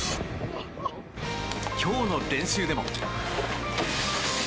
今日の練習でも。